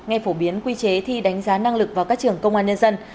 nghe phổ biến quy chế thi đánh giá năng lực vào các trường công an nhân dân